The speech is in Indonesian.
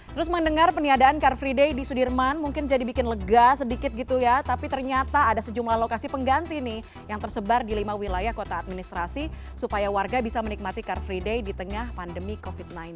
terus mendengar peniadaan car free day di sudirman mungkin jadi bikin lega sedikit gitu ya tapi ternyata ada sejumlah lokasi pengganti nih yang tersebar di lima wilayah kota administrasi supaya warga bisa menikmati car free day di tengah pandemi covid sembilan belas